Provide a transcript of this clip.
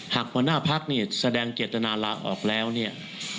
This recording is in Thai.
หากหัวหน้าภักดิ์นี่แสดงเจตนาระออกแล้วเนี่ย